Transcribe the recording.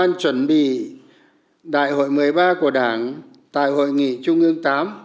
đồng chí đã chuẩn bị đại hội một mươi ba của đảng tại hội nghị trung ương tám